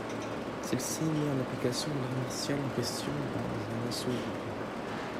Celle-ci met en application l'art martial en question dans un assaut libre.